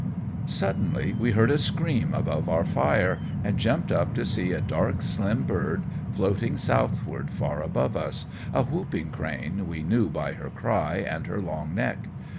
Suddenly we heard a scream above our fire, and jumped up to see a dark, slim bird floating southward far above us a whooping crane, we knew by her cry and her long neck.